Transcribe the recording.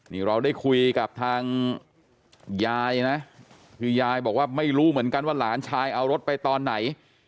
นี่เราได้คุยกับทางยายนะคือยายบอกว่าไม่รู้เหมือนกันว่าหลานชายเอารถไปตอนไหน